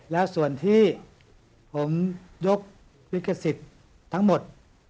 แล้วส่วนที่ผมยกวิกษิตทั้งหมด